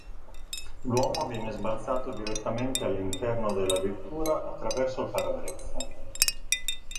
L'uomo viene sbalzato direttamente all'interno della vettura attraverso il parabrezza.